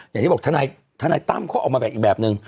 อย่างที่บอกทนายตั้มเขาออกมาแบบอีกแบบนึง